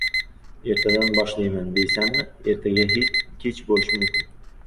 Ertadan boshlayman, deysanmi? Ertaga kech bo‘lishi mumkin.